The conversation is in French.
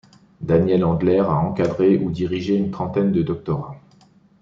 Daniel Andler a encadré ou dirigé une trentaine de doctorats.